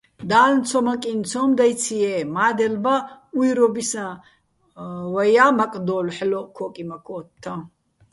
დალნ ცომაკინ ცომ დაჲცი̆-ჲე, მადელ ბა უჲრობისაჼ ვაჲა მაკდოლო̆ ჰ̦ალოჸ ქოკიმაქ ოთთაჼ.